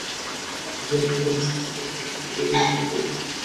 ভগবান অনেক মানুষ সৃষ্টি করেছেন কিন্তু সকলের জন্যে কেবল একটিমাত্র পথ খুলে রাখেন নি।